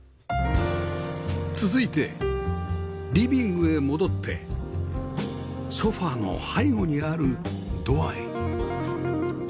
続いてリビングへ戻ってソファの背後にあるドアへ